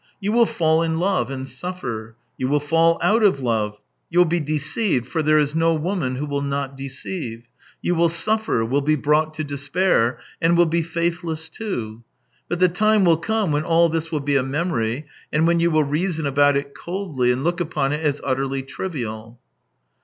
" You will fall in love and suffer. You will fall out of love; you'll be deceived, for there is no woman who will not deceive; you will suffer, will be brought to despair, and will be faithless too. But the time will come when all this will be a memory, and when you will reason about it coldly and look upon it as utterly trivial.